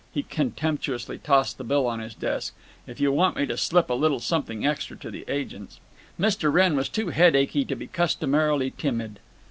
He contemptuously tossed the bill on his desk. "If you want me to slip a little something extra to the agents—" Mr. Wrenn was too head achy to be customarily timid.